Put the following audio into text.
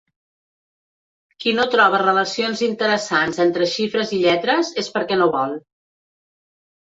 Qui no troba relacions interessants entre xifres i lletres és perquè no vol.